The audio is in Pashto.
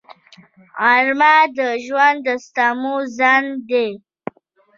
غرمه د ژوند د ستمو ځنډ دی